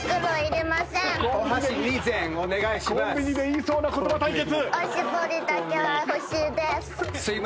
コンビニで言いそうな言葉対決。